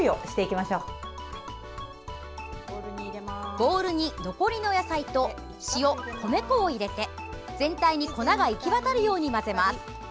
ボウルに残りの野菜と塩米粉を入れて全体に粉が行き渡るように混ぜます。